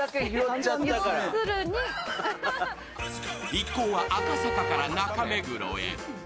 一行は赤坂から中目黒へ。